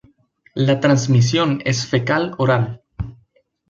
La transmisión es fecal-oral.